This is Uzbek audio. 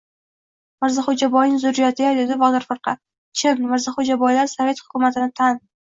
— Mirzaxo‘jaboyni zurriyoti-ya! — dedi Botir firqa. — Chin, Mirzaxo‘jaboylar sovet hukumatini tan